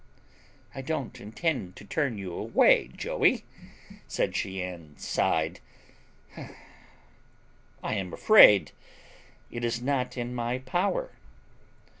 "I don't intend to turn you away, Joey," said she, and sighed; "I am afraid it is not in my power."